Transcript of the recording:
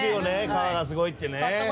革がすごいってね。